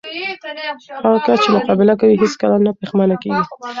هغه کس چې مقابله کوي، هیڅ کله نه پښېمانه کېږي.